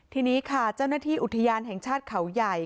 ทีนี้ค่ะเจ้าหน้าที่อุทยานแห่งชาติเขาใหญ่